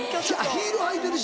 ヒール履いてるし。